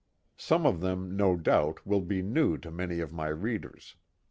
Some of them no doubt will be new to many of my readers.